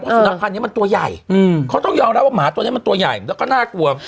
สุนัขพันธ์นี้มันตัวใหญ่เขาต้องยอมรับว่าหมาตัวนี้มันตัวใหญ่แล้วก็น่ากลัว